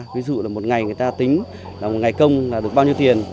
ví dụ là một ngày người ta tính một ngày công được bao nhiêu tiền